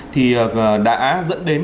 thì đã dẫn đến